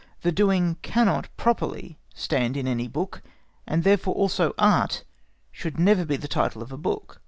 The "doing" cannot properly stand in any book, and therefore also Art should never be the title of a book.